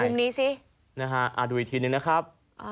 มุมนี้สินะฮะดูอีกทีนึงนะครับ